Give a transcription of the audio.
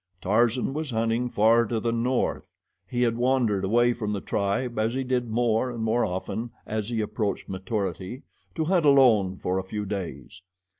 Tarzan was hunting far to the north. He had wandered away from the tribe, as he did more and more often as he approached maturity, to hunt alone for a few days.